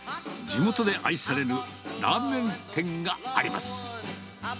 地元で愛されるラーメン店があります。